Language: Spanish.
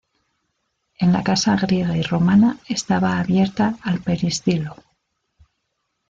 En la casa griega y romana estaba abierta al peristilo.